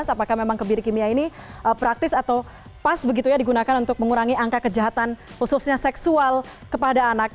apakah memang kebiri kimia ini praktis atau pas begitu ya digunakan untuk mengurangi angka kejahatan khususnya seksual kepada anak